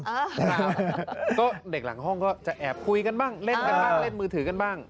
เด็กหลังห้องก็จะแอบคุยกันบ้างเล่นกันบ้างเล่นมือถือกันบ้าง